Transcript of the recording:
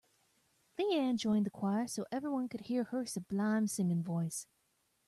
Leanne joined a choir so everyone could hear her sublime singing voice.